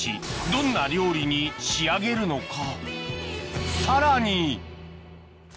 どんな料理に仕上げるのか？